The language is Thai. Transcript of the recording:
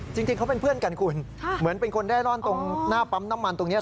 จริงเขาเป็นเพื่อนกันคุณเหมือนเป็นคนเร่ร่อนตรงหน้าปั๊มน้ำมันตรงนี้